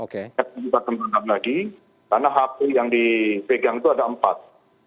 kita akan menangkap lagi karena handphone yang dipegang itu ada empat